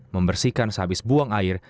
membersihkan sehabis buang air